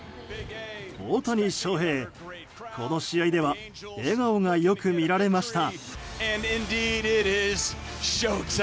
大谷翔平、この試合では笑顔がよく見られました。